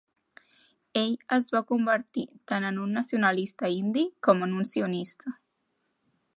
Ell es va convertir tant en un nacionalista indi i com en un sionista.